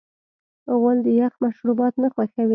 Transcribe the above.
غول د یخ مشروبات نه خوښوي.